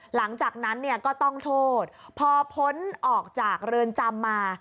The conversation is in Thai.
หลังจากนั้นเนี่ยก็ต้องโทษพอพ้นออกจากเรือนจำมา